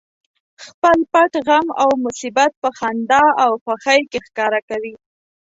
خپل پټ غم او مصیبت په خندا او خوښۍ کې ښکاره کوي